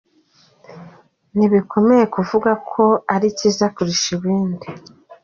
"Ntibikomeye kuvuga ko ari cyiza kurusha ibindi".